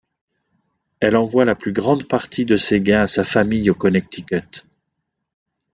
Elle envoie la plus grande partie de ses gains à sa famille au Connecticut.